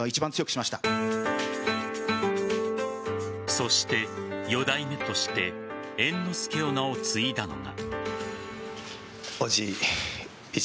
そして四代目として猿之助の名を継いだのが。